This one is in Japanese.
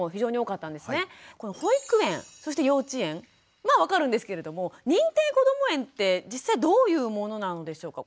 保育園そして幼稚園は分かるんですけれども認定こども園って実際どういうものなんでしょうか？